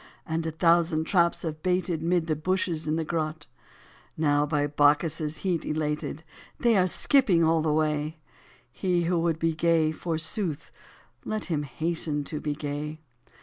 And a thousand traps have baited Mid the bushes, in the grot ; Now by Bacchus* heat elated They are skipping all the way : He who would be gay, forsooth, Let him hasten to be gay.